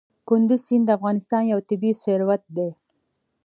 کندز سیند د افغانستان یو طبعي ثروت دی.